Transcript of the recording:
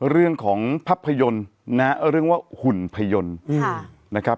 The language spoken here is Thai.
เรื่องของภาพยนตร์นะเรียกว่าหุ่นพยนตร์นะครับ